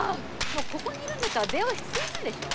もうここにいるんだったら電話必要ないでしょ。